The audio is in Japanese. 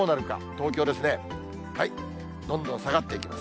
東京ですね、どんどん下がっていきます。